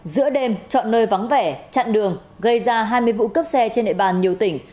giữa đêm chọn nơi vắng vẻ chặn đường gây ra hai mươi vụ cướp xe trên địa bàn nhiều tỉnh